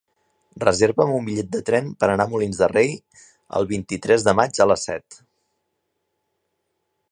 Reserva'm un bitllet de tren per anar a Molins de Rei el vint-i-tres de maig a les set.